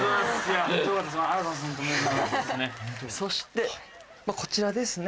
そしてこちらですね。